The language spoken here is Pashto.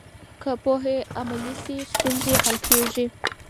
که پوهه عملي شي، ستونزې حل کېږي.